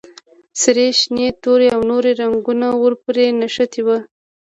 سرې، شنې، تورې او نورې رنګونه ور پورې نښتي وو.